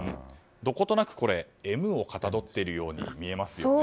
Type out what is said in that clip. どことなくＭをかたどっているように見えますね。